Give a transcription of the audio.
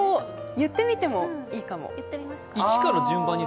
言ってみてもいいかも。